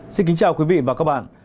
xin kính chào quý vị và các bạn